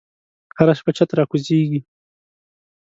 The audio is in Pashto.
هره شپه چت راکوزیږې